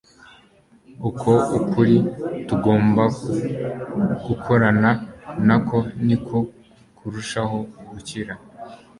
uko ukuri tugomba gukorana nako, niko turushaho gukira